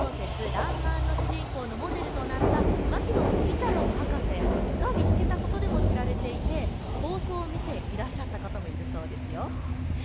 らんまんの主人公のモデルとなった牧野富太郎博士が見つけたことでも知られていて放送を見て、いらっしゃった方もいるそうですよ。